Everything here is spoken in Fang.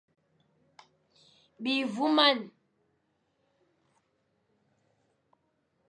Bi voumane.